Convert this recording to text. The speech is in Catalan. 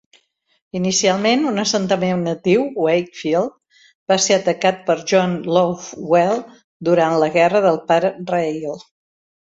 Inicialment un assentament natiu, Wakefield va ser atacat per John Lovewell durant la Guerra del pare Rale.